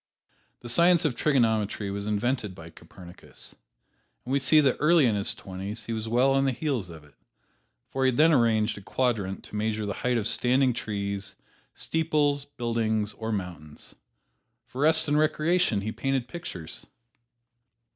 The science of trigonometry was invented by Copernicus, and we see that early in his twenties he was well on the heels of it, for he had then arranged a quadrant to measure the height of standing trees, steeples, buildings or mountains. For rest and recreation he painted pictures.